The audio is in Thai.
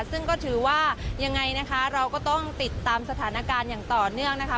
ซึ่งก็ถือว่ายังไงนะคะเราก็ต้องติดตามสถานการณ์อย่างต่อเนื่องนะคะ